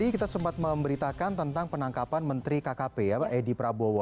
kita sempat memberitakan tentang penangkapan menteri kkp ya pak edi prabowo